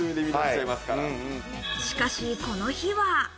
しかし、この日は。